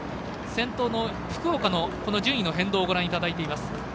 先頭の福岡の順位の変動をご覧いただいています。